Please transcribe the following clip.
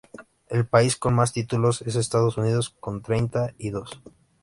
El país con más títulos es Estados Unidos con treinta y dos.